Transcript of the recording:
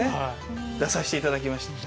出さしていただきました。